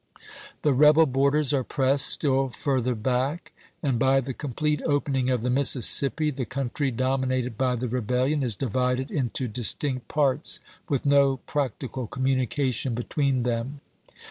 The rebel borders are pressed still further back, and by the com plete opening of the Mississippi the country dominated by the rebellion is divided into distinct parts, with no practical communication between them.